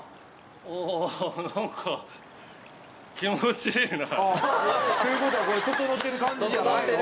おおなんか気持ちいいな。という事はこれととのってる感じじゃないの？